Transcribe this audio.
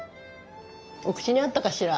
お口に合ったかしら？